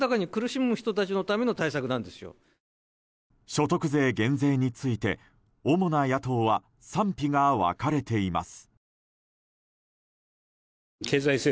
所得税減税について主な野党は賛否が分かれています。